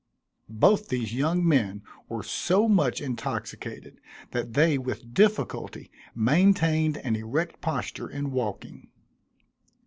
Both these young men were so much intoxicated that they with difficulty maintained an erect posture in walking.